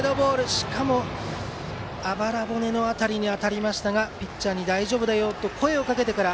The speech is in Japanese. しかもあばら骨の辺りに当たりましたがピッチャーに大丈夫だよと声をかけてから